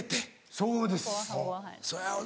そうですね。